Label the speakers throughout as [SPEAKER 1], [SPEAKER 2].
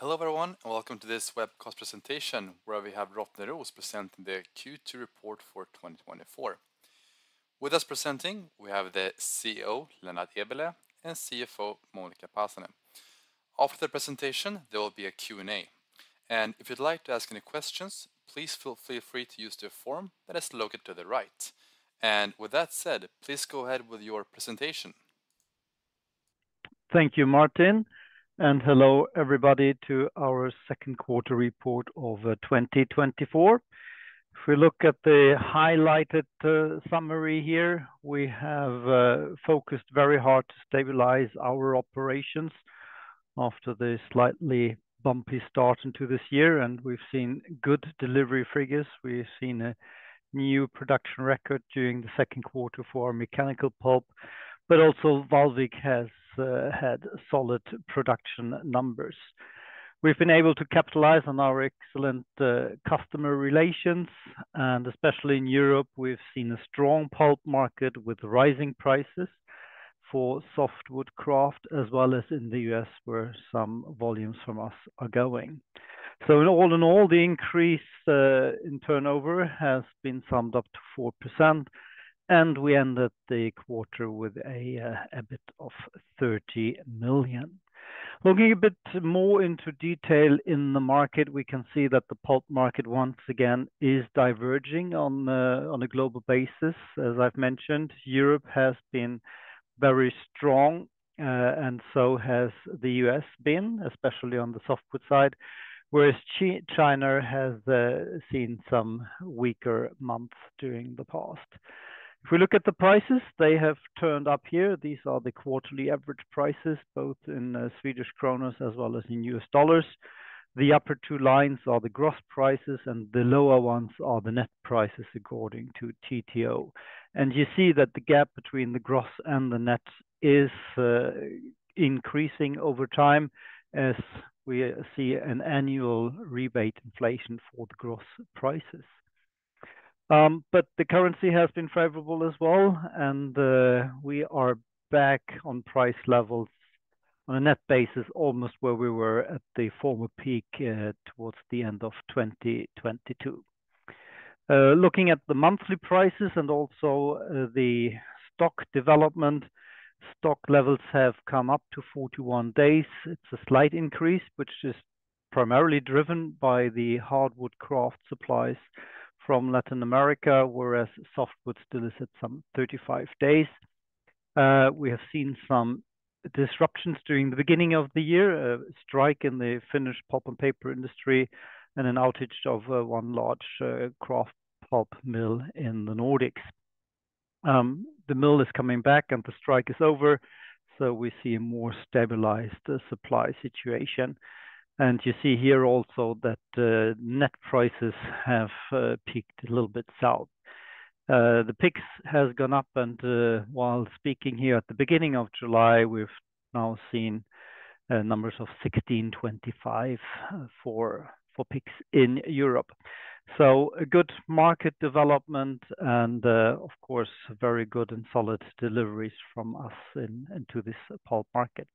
[SPEAKER 1] Hello, everyone, and welcome to this webcast presentation, where we have Rottneros AB presenting the Q2 report for 2024. With us presenting, we have the CEO, Lennart Eberleh, and CFO, Monica Pasanen. After the presentation, there will be a Q&A. And if you'd like to ask any questions, please feel free to use the form that is located to the right. And with that said, please go ahead with your presentation.
[SPEAKER 2] Thank you, Martin, and hello, everybody, to our second quarter report of 2024. If we look at the highlighted summary here, we have focused very hard to stabilize our operations after the slightly bumpy start into this year, and we've seen good delivery figures. We've seen a new production record during the second quarter for our mechanical pulp, but also Vallvik has had solid production numbers. We've been able to capitalize on our excellent customer relations, and especially in Europe, we've seen a strong pulp market with rising prices for softwood kraft, as well as in the U.S, where some volumes from us are going. So in all in all, the increase in turnover has been summed up to 4%, and we ended the quarter with an EBIT of 30 million. Looking a bit more into detail in the market, we can see that the pulp market once again is diverging on a global basis. As I've mentioned, Europe has been very strong, and so has the US been, especially on the softwood side, whereas China has seen some weaker months during the past. If we look at the prices, they have turned up here. These are the quarterly average prices, both in Swedish kronor as well as in US dollars. The upper two lines are the gross prices, and the lower ones are the net prices, according to TTO. And you see that the gap between the gross and the net is increasing over time, as we see an annual rebate inflation for the gross prices. But the currency has been favorable as well, and we are back on price levels on a net basis, almost where we were at the former peak, towards the end of 2022. Looking at the monthly prices and also the stock development, stock levels have come up to 41 days. It's a slight increase, which is primarily driven by the hardwood kraft supplies from Latin America, whereas softwood still is at some 35 days. We have seen some disruptions during the beginning of the year, a strike in the Finnish pulp and paper industry, and an outage of one large kraft pulp mill in the Nordics. The mill is coming back, and the strike is over, so we see a more stabilized supply situation. And you see here also that the net prices have peaked a little bit south. The PIX has gone up, and while speaking here at the beginning of July, we've now seen numbers of 1,625 for PIX in Europe. So a good market development and, of course, very good and solid deliveries from us in, into this pulp market.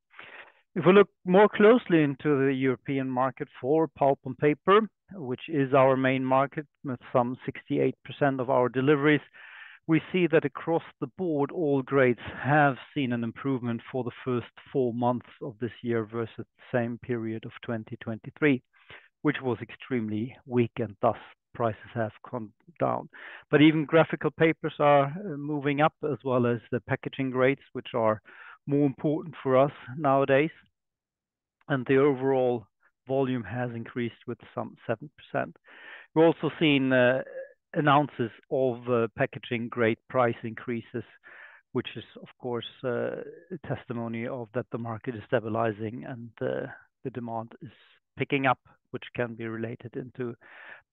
[SPEAKER 2] If we look more closely into the European market for pulp and paper, which is our main market, with some 68% of our deliveries, we see that across the board, all grades have seen an improvement for the first four months of this year versus the same period of 2023, which was extremely weak, and thus, prices have come down. But even graphical papers are moving up, as well as the packaging grades, which are more important for us nowadays, and the overall volume has increased with some 7%. We're also seeing announcements of packaging grade price increases, which is, of course, a testimony to the fact that the market is stabilizing and the demand is picking up, which can be related to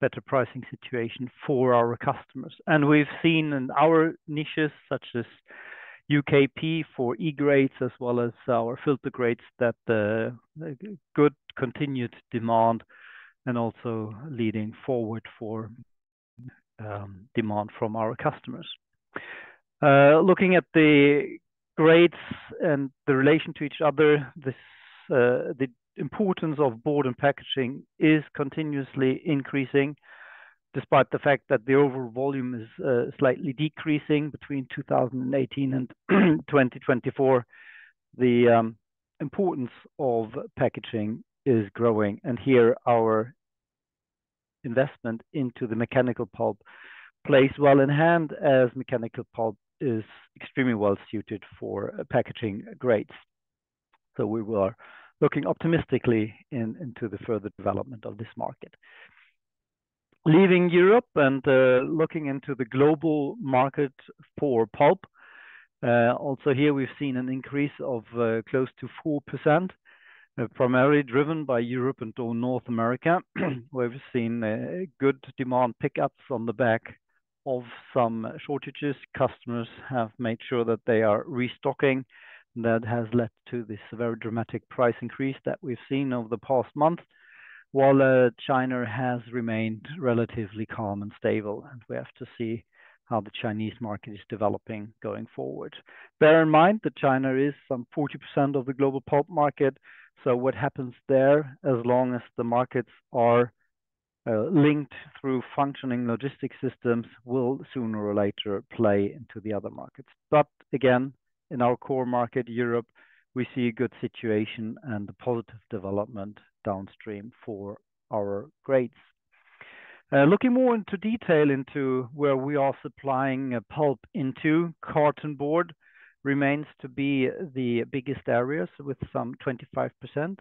[SPEAKER 2] better pricing situation for our customers. And we've seen in our niches, such as UKP for E-grades, as well as our filter grades, that the good continued demand and also looking forward to demand from our customers. Looking at the grades and the relation to each other, the importance of board and packaging is continuously increasing, despite the fact that the overall volume is slightly decreasing between 2018 and 2024. The importance of packaging is growing, and here, our investment into the mechanical pulp goes hand in hand, as mechanical pulp is extremely well suited for packaging grades. So we are looking optimistically into the further development of this market. Leaving Europe and looking into the global market for pulp, also here, we've seen an increase of close to 4%, primarily driven by Europe and North America, where we've seen a good demand pick up on the back of some shortages. Customers have made sure that they are restocking. That has led to this very dramatic price increase that we've seen over the past month. While China has remained relatively calm and stable, and we have to see how the Chinese market is developing going forward. Bear in mind that China is some 40% of the global pulp market, so what happens there, as long as the markets are linked through functioning logistics systems, will sooner or later play into the other markets. But again, in our core market, Europe, we see a good situation and a positive development downstream for our grades. Looking more into detail into where we are supplying, pulp into, cartonboard remains to be the biggest areas, with some 25%,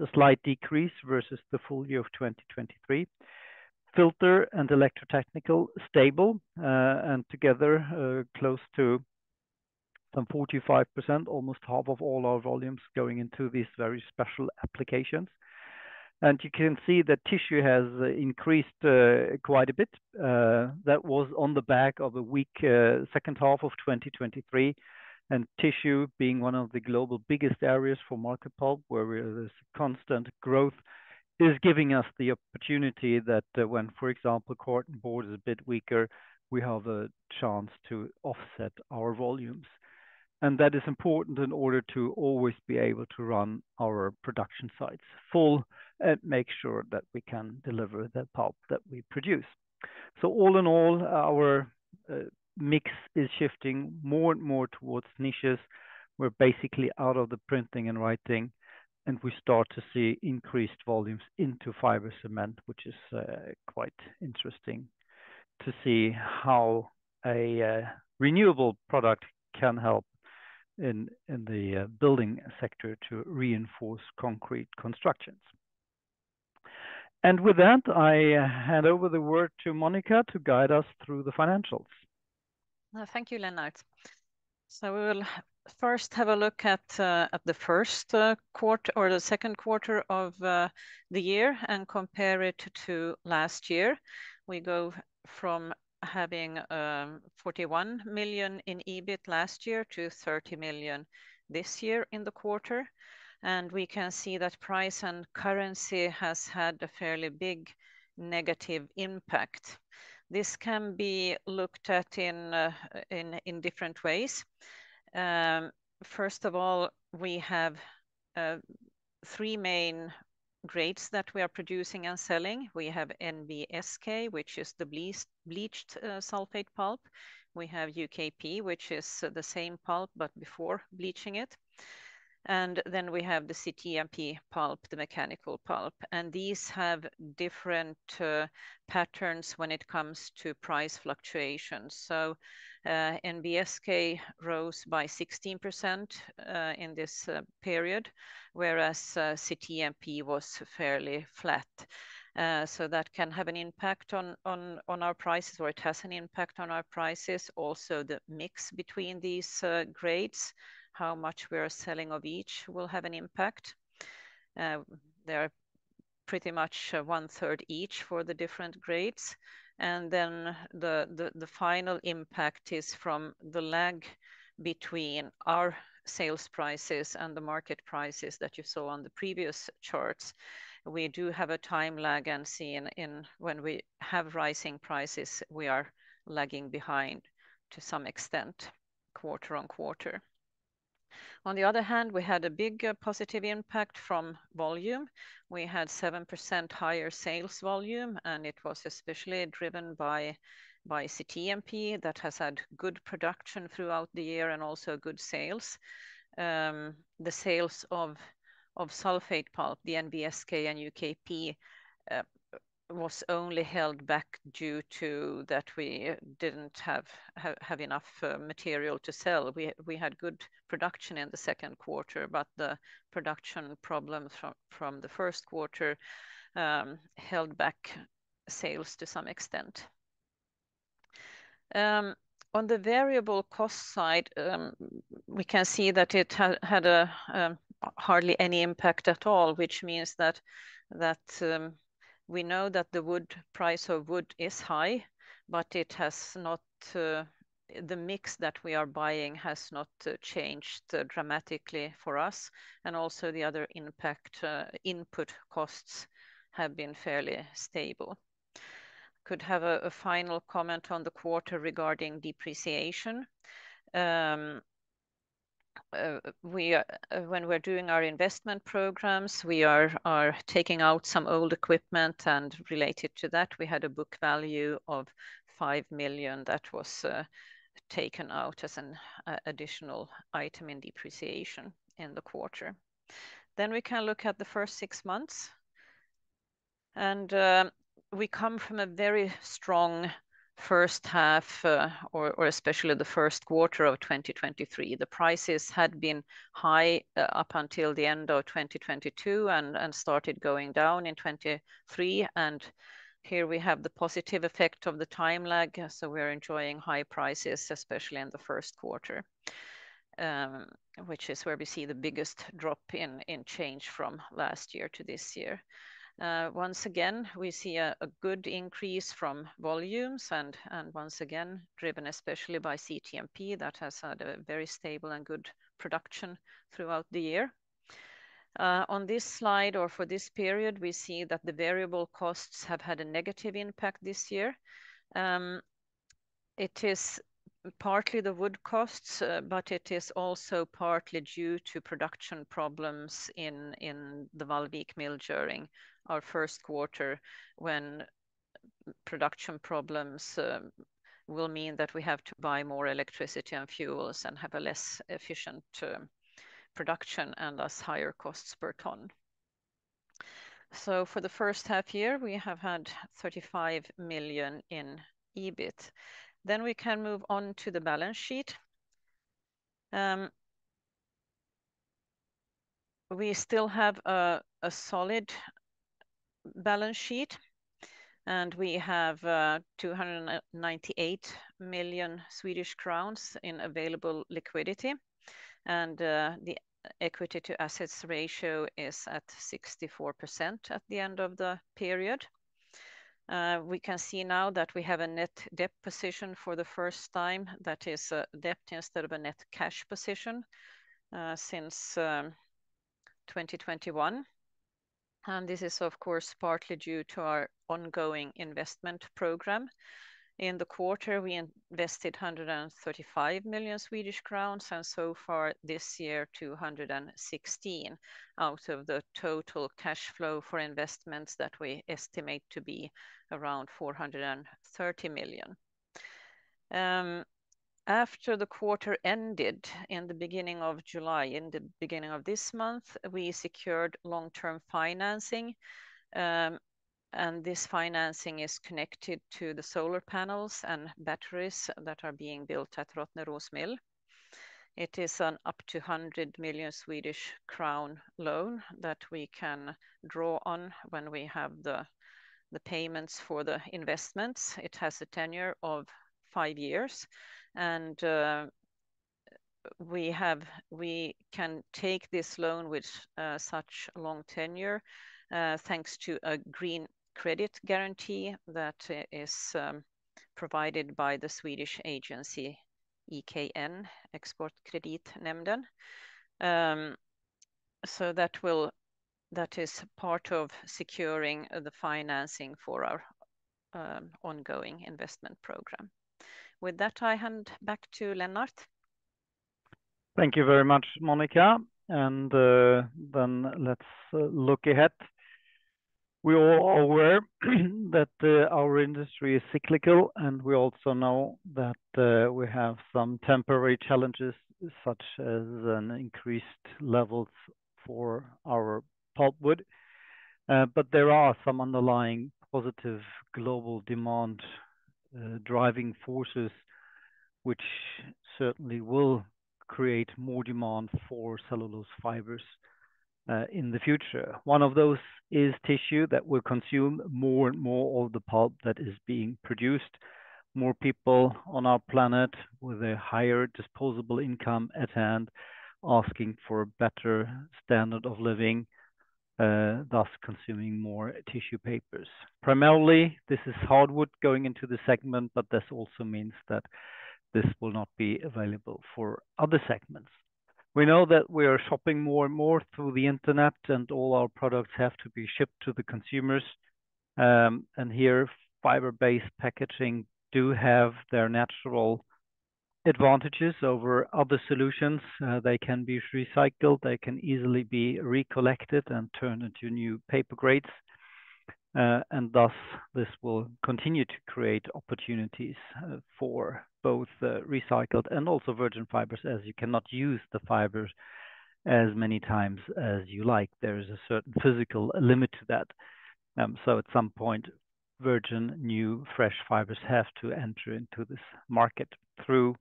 [SPEAKER 2] a slight decrease versus the full year of 2023. Filter and electrotechnical, stable, and together, close to some 45%, almost half of all our volumes going into these very special applications. And you can see that tissue has increased, quite a bit. That was on the back of a weak, second half of 2023, and tissue being one of the global biggest areas for market pulp, where there's constant growth, is giving us the opportunity that, when, for example, cartonboard is a bit weaker, we have a chance to offset our volumes. That is important in order to always be able to run our production sites full and make sure that we can deliver the pulp that we produce. All in all, our mix is shifting more and more towards niches. We're basically out of the printing and writing, and we start to see increased volumes into fiber cement, which is quite interesting to see how a renewable product can help in the building sector to reinforce concrete constructions. With that, I hand over the word to Monica to guide us through the financials.
[SPEAKER 3] Thank you, Lennart. So we will first have a look at the first quarter or the second quarter of the year and compare it to last year. We go from having 41 million in EBIT last year to 30 million this year in the quarter, and we can see that price and currency has had a fairly big negative impact. This can be looked at in different ways. First of all, we have three main grades that we are producing and selling. We have NBSK, which is the bleached sulfate pulp. We have UKP, which is the same pulp, but before bleaching it. And then we have the CTMP pulp, the mechanical pulp, and these have different patterns when it comes to price fluctuations. So, NBSK rose by 16%, in this period, whereas, CTMP was fairly flat. So that can have an impact on, on, on our prices, or it has an impact on our prices. Also, the mix between these, grades, how much we are selling of each, will have an impact. They are pretty much, one third each for the different grades. And then the, the, the final impact is from the lag between our sales prices and the market prices that you saw on the previous charts. We do have a time lag and seen in when we have rising prices, we are lagging behind to some extent, quarter-on-quarter. On the other hand, we had a big positive impact from volume. We had 7% higher sales volume, and it was especially driven by, by CTMP. That has had good production throughout the year and also good sales. The sales of sulfate pulp, the NBSK and UKP, was only held back due to that we didn't have enough material to sell. We had good production in the second quarter, but the production problem from the first quarter held back sales to some extent. On the variable cost side, we can see that it had a hardly any impact at all, which means that we know that the wood price of wood is high, but it has not... The mix that we are buying has not changed dramatically for us, and also the other impact input costs have been fairly stable. Could have a final comment on the quarter regarding depreciation. When we're doing our investment programs, we are taking out some old equipment, and related to that, we had a book value of 5 million that was taken out as an additional item in depreciation in the quarter. Then, we can look at the first six months, and we come from a very strong first half, especially the first quarter of 2023. The prices had been high up until the end of 2022 and started going down in 2023, and here we have the positive effect of the time lag. So we're enjoying high prices, especially in the first quarter, which is where we see the biggest drop in change from last year to this year. Once again, we see a good increase from volumes and once again, driven especially by CTMP. That has had a very stable and good production throughout the year. On this slide or for this period, we see that the variable costs have had a negative impact this year. It is partly the wood costs, but it is also partly due to production problems in the Vallvik Mill during our first quarter, when production problems will mean that we have to buy more electricity and fuels and have a less efficient production and thus higher costs per ton. So for the first half year, we have had 35 million in EBIT. Then we can move on to the balance sheet. We still have a solid balance sheet, and we have 298 million SEK in available liquidity. The equity to assets ratio is at 64% at the end of the period. We can see now that we have a net debt position for the first time. That is a debt instead of a net cash position since 2021, and this is, of course, partly due to our ongoing investment program. In the quarter, we invested 135 million Swedish crowns, and so far this year, 216, out of the total cash flow for investments that we estimate to be around 430 million. After the quarter ended in the beginning of July, in the beginning of this month, we secured long-term financing. And this financing is connected to the solar panels and batteries that are being built at Rottneros Mill. It is an up to 100 million Swedish crown loan that we can draw on when we have the payments for the investments. It has a tenure of five years, and we can take this loan with such long tenure, thanks to a green credit guarantee that is provided by the Swedish agency, EKN, Exportkreditnämnden. So that is part of securing the financing for our ongoing investment program. With that, I hand back to Lennart.
[SPEAKER 2] Thank you very much, Monica, and then let's look ahead. We all are aware that our industry is cyclical, and we also know that we have some temporary challenges, such as an increased levels for our pulpwood. But there are some underlying positive global demand driving forces, which certainly will create more demand for cellulose fibers in the future. One of those is tissue that will consume more and more of the pulp that is being produced. More people on our planet with a higher disposable income at hand, asking for a better standard of living, thus consuming more tissue papers. Primarily, this is hardwood going into the segment, but this also means that this will not be available for other segments. We know that we are shopping more and more through the internet, and all our products have to be shipped to the consumers. And here, fiber-based packaging do have their natural advantages over other solutions. They can be recycled, they can easily be recollected and turned into new paper grades. And thus, this will continue to create opportunities for both recycled and also virgin fibers, as you cannot use the fibers as many times as you like. There is a certain physical limit to that. So at some point, virgin, new, fresh fibers have to enter into this market through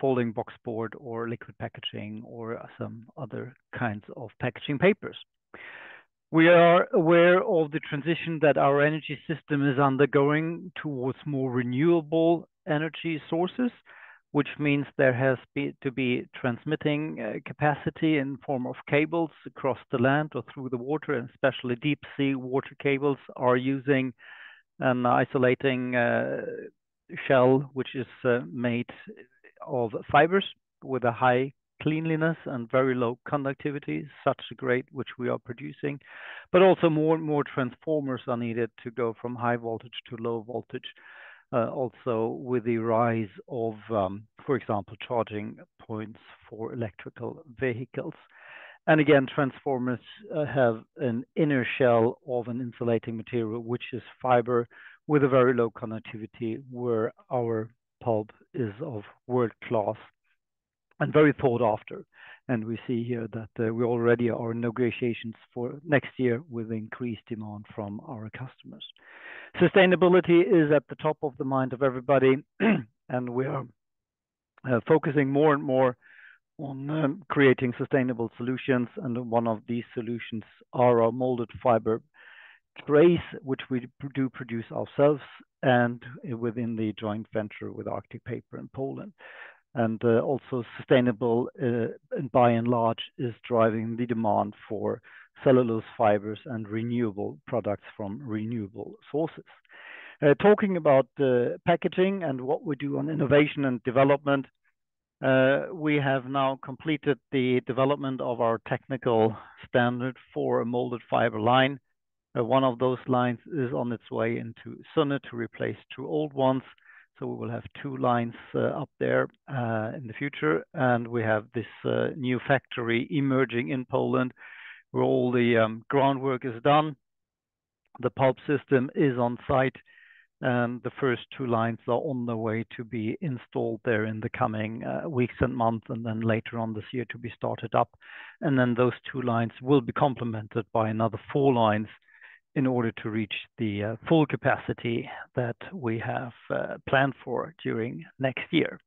[SPEAKER 2] folding boxboard or liquid packaging or some other kinds of packaging papers. We are aware of the transition that our energy system is undergoing towards more renewable energy sources, which means there has to be transmission capacity in form of cables across the land or through the water, and especially deep-sea water cables are using an insulating shell, which is made of fibers with a high cleanliness and very low conductivity, such a grade which we are producing. But also more and more transformers are needed to go from high voltage to low voltage. Also, with the rise of, for example, charging points for electric vehicles. And again, transformers have an inner shell of an insulating material, which is fiber with a very low conductivity, where our pulp is of world-class and very sought after. And we see here that we already are in negotiations for next year with increased demand from our customers. Sustainability is at the top of the mind of everybody, and we are focusing more and more on creating sustainable solutions, and one of these solutions are our molded fiber trays, which we do produce ourselves and within the joint venture with Arctic Paper in Poland. Also, sustainable by and large is driving the demand for cellulose fibers and renewable products from renewable sources. Talking about the packaging and what we do on innovation and development, we have now completed the development of our technical standard for a molded fiber line. One of those lines is on its way into Sunne to replace two old ones, so we will have two lines up there in the future. And we have this new factory emerging in Poland, where all the groundwork is done. The pulp system is on site, and the first two lines are on the way to be installed there in the coming weeks and months, and then later on this year, to be started up. And then those two lines will be complemented by another four lines in order to reach the full capacity that we have planned for during next year,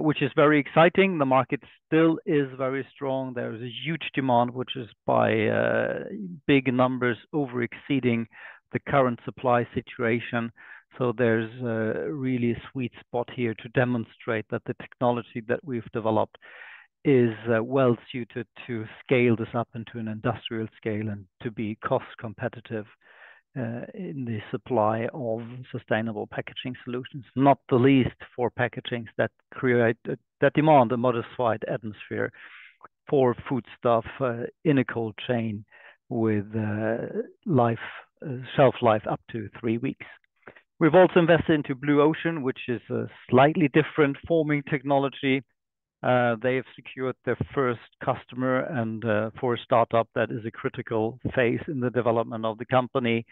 [SPEAKER 2] which is very exciting. The market still is very strong. There is a huge demand, which is by big numbers over-exceeding the current supply situation. So there's really a sweet spot here to demonstrate that the technology that we've developed is well-suited to scale this up into an industrial scale and to be cost-competitive in the supply of sustainable packaging solutions. Not the least, for packaging that create, that demand a modified atmosphere for foodstuff, in a cold chain with shelf life up to three weeks. We've also invested into Blue Ocean, which is a slightly different forming technology. They have secured their first customer, and for a startup, that is a critical phase in the development of the company,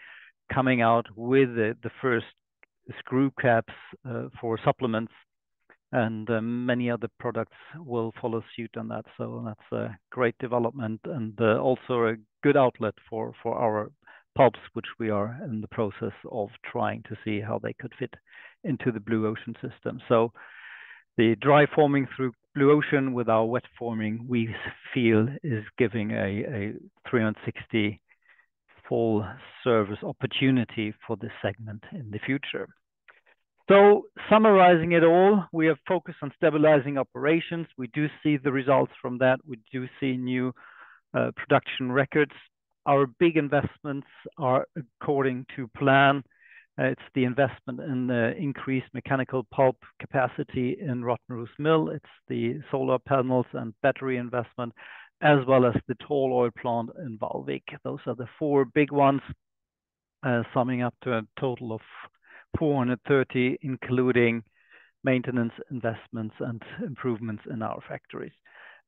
[SPEAKER 2] coming out with the first screw caps for supplements, and many other products will follow suit on that. So that's a great development and also a good outlet for our pulps, which we are in the process of trying to see how they could fit into the Blue Ocean system. So the dry forming through Blue Ocean with our wet forming, we feel is giving a 360 full-service opportunity for this segment in the future. Summarizing it all, we are focused on stabilizing operations. We do see the results from that. We do see new production records. Our big investments are according to plan. It's the investment in the increased mechanical pulp capacity in Rottneros Mill. It's the solar panels and battery investment, as well as the tall oil plant in Vallvik. Those are the four big ones, summing up to a total of 430, including maintenance, investments, and improvements in our factories.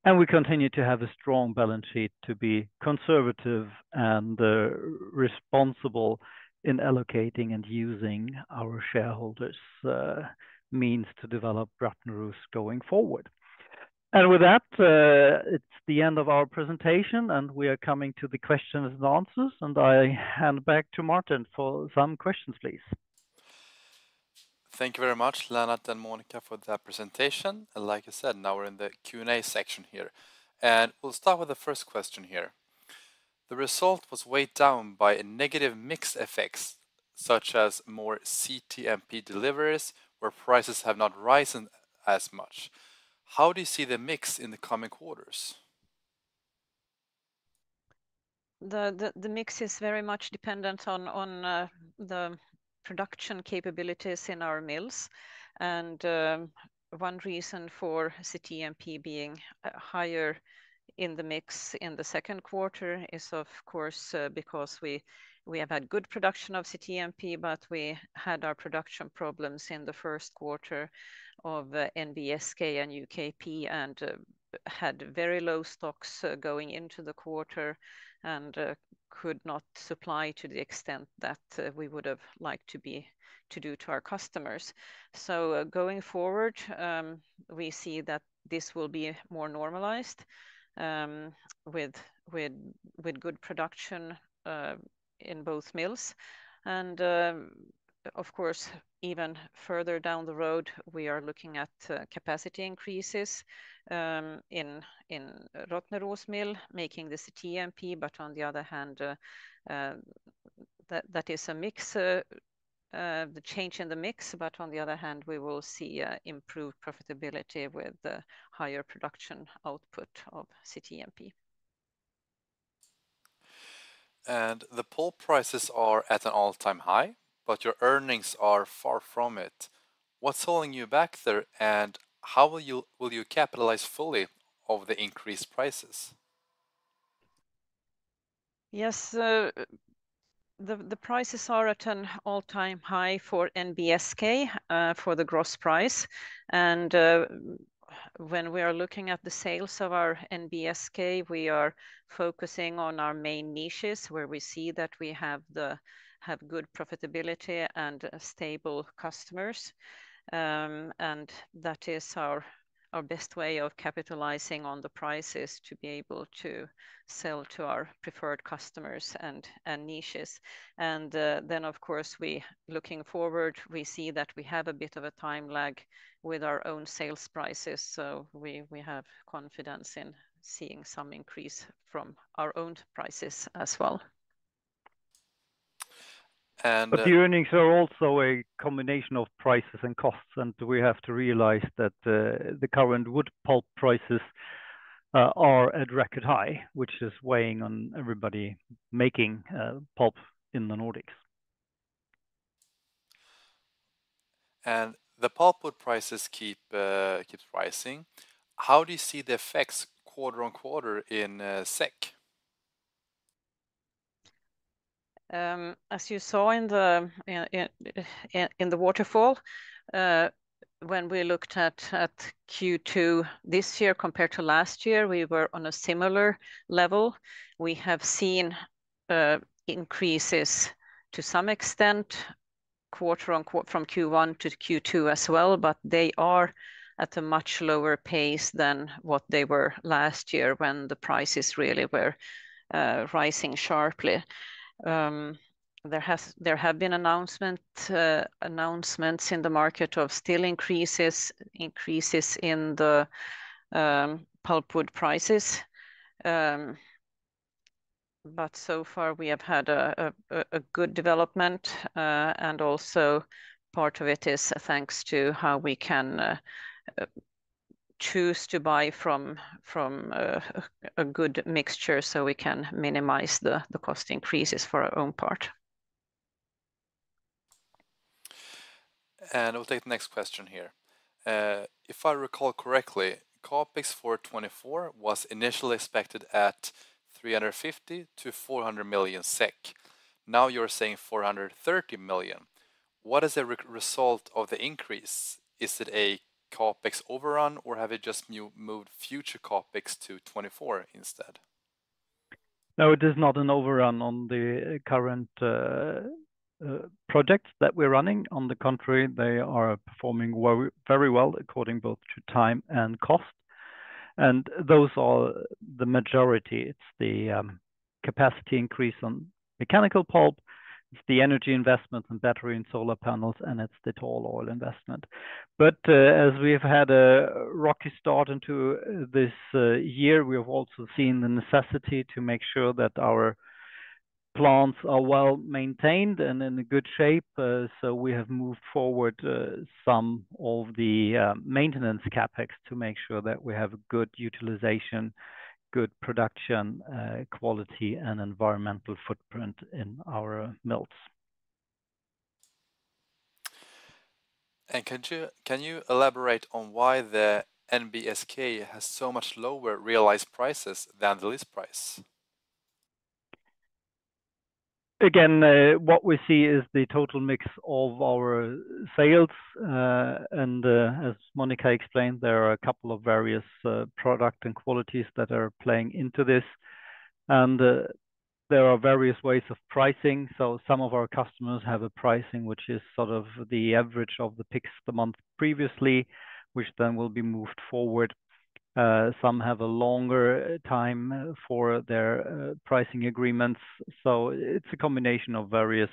[SPEAKER 2] We continue to have a strong balance sheet to be conservative and responsible in allocating and using our shareholders' means to develop Rottneros going forward. With that, it's the end of our presentation, and we are coming to the questions and answers, and I hand back to Martin for some questions, please.
[SPEAKER 1] Thank you very much, Lennart and Monica, for that presentation. Like I said, now we're in the Q&A section here, and we'll start with the first question here. The result was weighed down by a negative mix effects, such as more CTMP deliveries, where prices have not risen as much. How do you see the mix in the coming quarters?
[SPEAKER 3] The mix is very much dependent on the production capabilities in our mills. One reason for CTMP being higher in the mix in the second quarter is, of course, because we have had good production of CTMP, but we had production problems in the first quarter of NBSK and UKP, and had very low stocks going into the quarter, and could not supply to the extent that we would have liked to do to our customers. So, going forward, we see that this will be more normalized with good production in both mills. And, of course, even further down the road, we are looking at capacity increases in Rottneros Mill, making the CTMP, but on the other hand, that is a mix, the change in the mix, but on the other hand, we will see improved profitability with the higher production output of CTMP.
[SPEAKER 4] The pulp prices are at an all-time high, but your earnings are far from it. What's holding you back there, and how will you capitalize fully on the increased prices?
[SPEAKER 3] Yes, the prices are at an all-time high for NBSK, for the gross price. And, when we are looking at the sales of our NBSK, we are focusing on our main niches, where we see that we have good profitability and stable customers. And that is our best way of capitalizing on the prices, to be able to sell to our preferred customers and niches. And, then, of course, looking forward, we see that we have a bit of a time lag with our own sales prices, so we have confidence in seeing some increase from our own prices as well.
[SPEAKER 4] And-
[SPEAKER 2] But the earnings are also a combination of prices and costs, and we have to realize that the current wood pulp prices are at record high, which is weighing on everybody making pulp in the Nordics.
[SPEAKER 4] The pulpwood prices keep, keeps rising. How do you see the effects quarter-on-quarter in SEK?
[SPEAKER 3] As you saw in the waterfall, when we looked at Q2 this year compared to last year, we were on a similar level. We have seen increases to some extent, quarter-over-quarter from Q1 to Q2 as well, but they are at a much lower pace than what they were last year when the prices really were rising sharply. There have been announcements in the market of price increases, increases in the pulpwood prices. But so far, we have had a good development, and also part of it is thanks to how we can choose to buy from a good mixture, so we can minimize the cost increases for our own part.
[SPEAKER 4] We'll take the next question here. If I recall correctly, CapEx for 2024 was initially expected at 350 million-400 million SEK. Now you're saying 430 million. What is the result of the increase? Is it a CapEx overrun, or have you just moved future CapEx to 2024 instead?
[SPEAKER 2] No, it is not an overrun on the current projects that we're running. On the contrary, they are performing very, very well, according both to time and cost, and those are the majority. It's the capacity increase on mechanical pulp, it's the energy investment in battery and solar panels, and it's the tall oil investment. But, as we've had a rocky start into this year, we have also seen the necessity to make sure that our plants are well-maintained and in a good shape. So we have moved forward some of the maintenance CapEx to make sure that we have good utilization, good production quality, and environmental footprint in our mills.
[SPEAKER 4] Can you, can you elaborate on why the NBSK has so much lower realized prices than the list price?
[SPEAKER 2] Again, what we see is the total mix of our sales. And as Monica explained, there are a couple of various product and qualities that are playing into this, and there are various ways of pricing. So some of our customers have a pricing, which is sort of the average of the PIX the month previously, which then will be moved forward. Some have a longer time for their pricing agreements. So it's a combination of various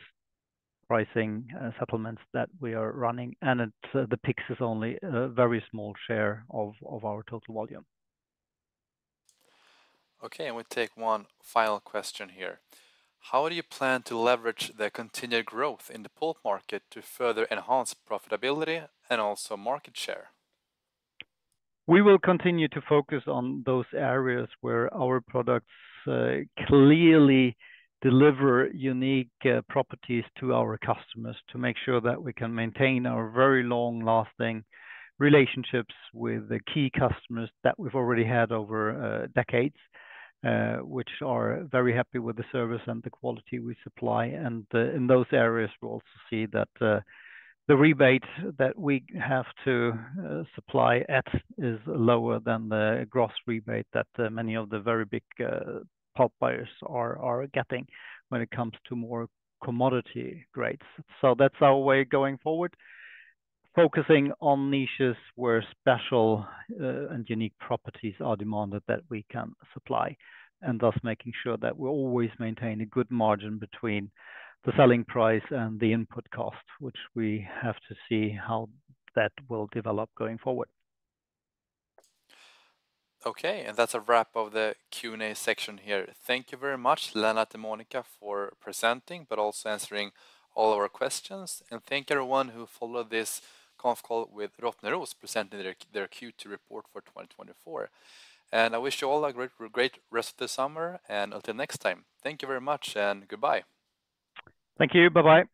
[SPEAKER 2] pricing settlements that we are running, and it, the PIX is only a very small share of our total volume.
[SPEAKER 4] Okay, and we take one final question here. How do you plan to leverage the continued growth in the pulp market to further enhance profitability and also market share?
[SPEAKER 2] We will continue to focus on those areas where our products clearly deliver unique properties to our customers, to make sure that we can maintain our very long-lasting relationships with the key customers that we've already had over decades. Which are very happy with the service and the quality we supply. And in those areas, we also see that the rebate that we have to supply at is lower than the gross rebate that many of the very big pulp buyers are getting when it comes to more commodity grades. So that's our way going forward, focusing on niches where special and unique properties are demanded that we can supply, and thus making sure that we always maintain a good margin between the selling price and the input cost, which we have to see how that will develop going forward.
[SPEAKER 4] Okay, and that's a wrap of the Q&A section here. Thank you very much, Lennart and Monica, for presenting, but also answering all of our questions. Thank you, everyone, who followed this conference call with Rottneros, presenting their Q2 report for 2024. I wish you all a great rest of the summer, and until next time, thank you very much and goodbye.
[SPEAKER 2] Thank you. Bye-bye.